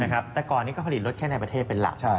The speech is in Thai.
แต่ก่อนนี้ก็ผลิตรถแค่ในประเทศเป็นหลัก